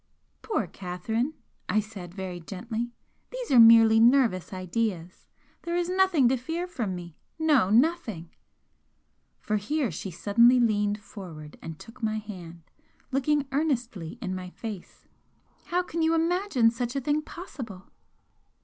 "Poor Catherine!" I said, very gently "These are merely nervous ideas! There is nothing to fear from me no, nothing!" For here she suddenly leaned forward and took my hand, looking earnestly in my face "How can you imagine such a thing possible?"